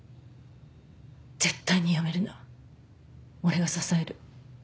「絶対にやめるな俺が支える。